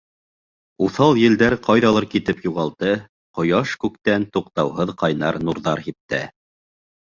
Уҫал елдәр ҡайҙалыр китеп юғалды, ҡояш күктән туҡтауһыҙ ҡайнар нурҙар һипте.